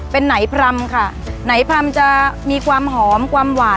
เป็นไหนพร่ำค่ะไหนพร่ำจะมีความหอมความหวาน